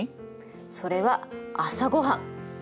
それは朝ごはん。